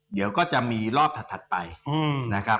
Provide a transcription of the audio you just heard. เดี๋ยวก็จะมีรอบถัดไปนะครับ